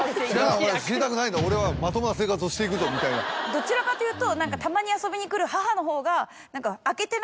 どちらかというと。